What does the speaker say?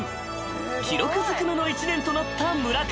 ［記録ずくめの一年となった村上］